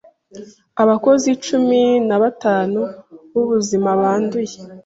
abakozi cumi nabatanu b'ubuzima banduye